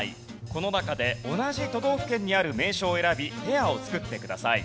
この中で同じ都道府県にある名所を選びペアを作ってください。